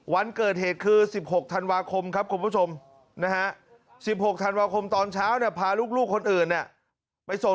วันเกิดเหตุคือ๑๖ธันวาคมครับคุณผู้ชมนะฮะ๑๖ธันวาคมตอนเช้าพาลูกคนอื่นไปส่ง